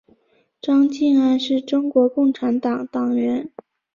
张敬安是中国共产党党员。